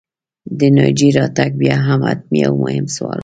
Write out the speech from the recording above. د ناجيې راتګ بیا یو حتمي او مهم سوال و